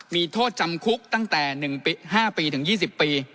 มีโทษจำคุกตั้งแต่๑๕ปีถึง๒๐ปี